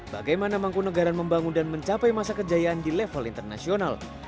bagaimana mangku negara membangun dan mencapai masa kejayaan di level internasional